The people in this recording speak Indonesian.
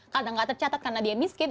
karena nggak tercatat karena dia miskin